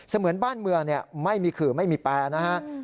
เหมือนบ้านเมืองไม่มีขื่อไม่มีแปรนะฮะ